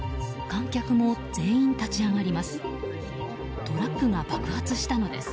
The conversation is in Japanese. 観客も全員立ち上がります。